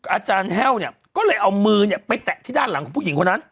อาจารย์แห้วเนี่ยก็เลยเอามือเนี่ยไปแตะที่ด้านหลังของผู้หญิงคนนั้น